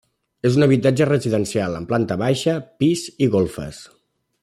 És un habitatge residencial, amb planta baixa, pis i golfes.